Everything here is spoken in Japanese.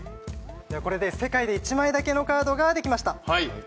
これで世界で一枚だけのカードができました。